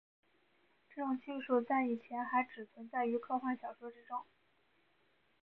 这种技术在以前还只存在于科幻小说之中。